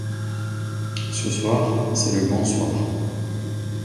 Ce soir c'est le grand soir.